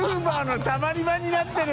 弌爾たまり場になってる！